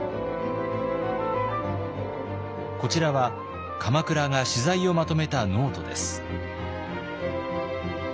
こちらは鎌倉が取材をまとめたノートです。